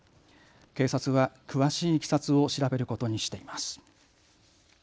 警察は詳しいいきさつを調べることにしています。